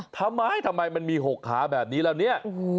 ทำไมทำไมมันมี๖ขาแบบนี้แล้วเนี่ย